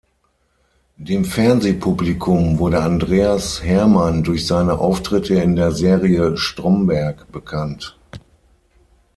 Dem Fernsehpublikum wurde Andreas Hermann durch seine Auftritte in der Serie "Stromberg" bekannt.